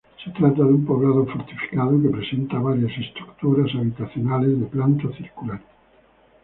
Se trata de un poblado fortificado que presenta varias estructuras habitacionales de planta circular.